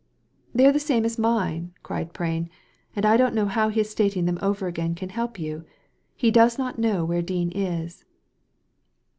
"They are the same as mine," cried Prain, "and I don't know how his stating them over again can help you. He does not know where Dean is."